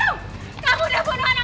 kamu udah bunuh anak anak aku ibu aku